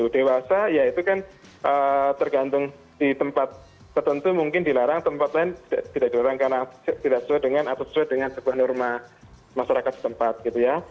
dewasa ya itu kan tergantung di tempat tertentu mungkin dilarang tempat lain tidak dilarang karena tidak sesuai dengan atau sesuai dengan sebuah norma masyarakat setempat gitu ya